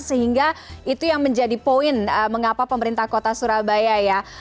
sehingga itu yang menjadi poin mengapa pemerintah kota surabaya ya